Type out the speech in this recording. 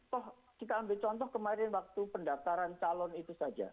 toh kita ambil contoh kemarin waktu pendaftaran calon itu saja